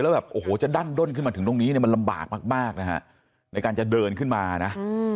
แล้วแบบโอ้โหจะดั้นด้นขึ้นมาถึงตรงนี้เนี่ยมันลำบากมากนะฮะในการจะเดินขึ้นมานะ